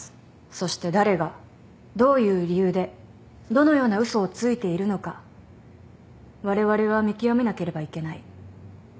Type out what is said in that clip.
そして誰がどういう理由でどのような嘘をついているのかわれわれは見極めなければいけない。